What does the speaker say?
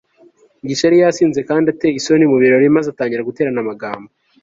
mugisha yari yasinze kandi ateye isoni mu birori maze atangira guterana amagambo